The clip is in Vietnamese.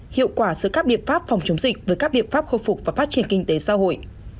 hiệu quả giữa các biện pháp phòng chống dịch với các biện pháp khôi phục và phát triển kinh tế xã hội